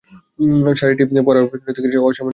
শাড়িটি পরার পর থেকেই হয়তো আসমানি নামটি আপনার মাথায় ঘুরছে।